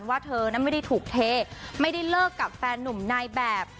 ว่าเธอนั้นไม่ได้ถูกเทไม่ได้เลิกกับแฟนนุ่มนายแบบ